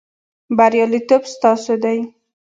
بریالیتوب ستاسو دی